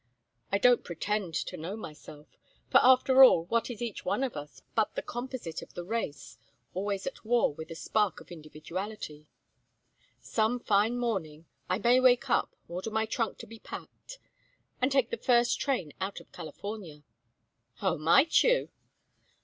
I don't pretend to know myself, for after all what is each one of us but the composite of the race, always at war with a spark of individuality. Some fine morning I may wake up, order my trunk to be packed, and take the first train out of California." "Oh, might you?"